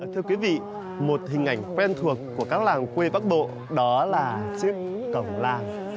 thưa quý vị một hình ảnh quen thuộc của các làng quê bắc bộ đó là chiếc cổng làng